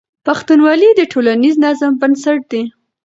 پښتونولي د ټولنیز نظم بنسټ دی.